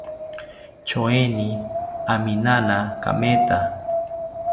Choeni aminana kametha